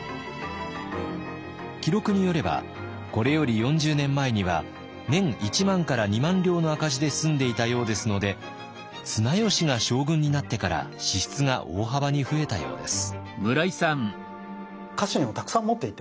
記録によればこれより４０年前には年１万から２万両の赤字で済んでいたようですので綱吉が将軍になってから支出が大幅に増えたようです。